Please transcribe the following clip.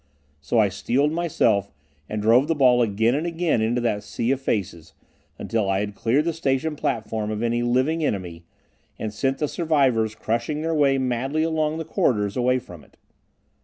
So I steeled myself, and drove the ball again and again into that sea of faces, until I had cleared the station platform of any living enemy, and sent the survivors crushing their way madly along the corridors away from it.